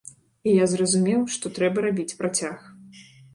І я зразумеў, што трэба рабіць працяг.